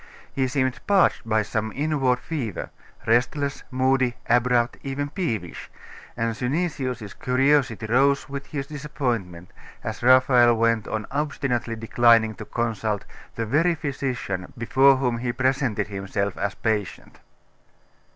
He seemed parched by some inward fever; restless, moody, abrupt, even peevish; and Synesius's curiosity rose with his disappointment, as Raphael went on obstinately declining to consult the very physician before whom he presented himself as patient.